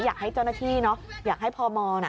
อยากให้เจ้าหน้าที่อยากให้พอร์มอล